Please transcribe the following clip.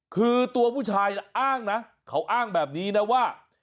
คือตัวผู้ชายอ้างนะเขาอ้างแบบนี้นะว่า